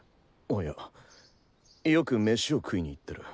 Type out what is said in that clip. いやよくメシを食いに行ってる。